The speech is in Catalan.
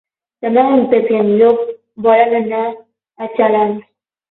Demà en Pep i en Llop volen anar a Xalans.